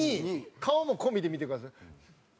顔も込みで見てください。